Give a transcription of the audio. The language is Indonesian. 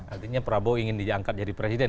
artinya prabowo ingin diangkat jadi presiden